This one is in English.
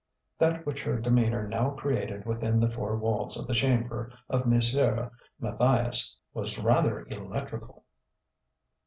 That which her demeanour now created within the four walls of the chamber of Monsieur Matthias was rather electrical.